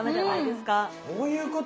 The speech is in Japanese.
そういうこと？